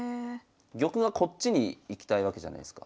玉がこっちに行きたいわけじゃないすか。